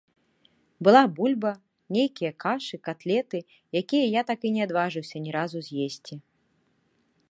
Была бульба, нейкія кашы, катлеты, якія я так і не адважыўся ні разу з'есці.